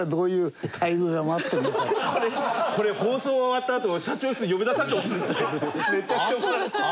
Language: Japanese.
これ放送終わったあと社長室に呼び出されてほしいですね。